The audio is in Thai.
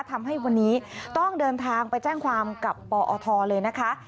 ทำให้วันนี้ต้องเดินทางไปแจ้งความกับปอทเลยนะคะ